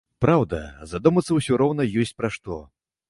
Праўда, задумацца ўсё роўна ёсць пра што.